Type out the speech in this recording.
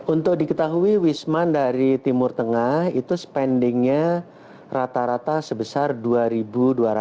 untuk diketahui wisman dari timur tengah itu spendingnya rata rata sebesar rp dua dua ratus